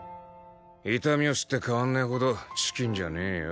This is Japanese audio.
痛みを知って変わんねえほどチキンじゃねえよ。